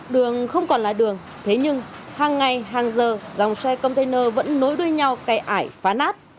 đường không còn là đường thế nhưng hàng ngày hàng giờ dòng xe container vẫn nối đuôi nhau cày ải phá nát